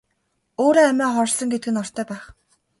Өөрөө амиа хорлосон гэдэг нь ортой байх.